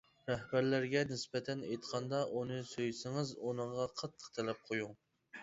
رەھبەرلەرگە نىسبەتەن ئېيتقاندا: ئۇنى سۆيسىڭىز ئۇنىڭغا قاتتىق تەلەپ قويۇڭ!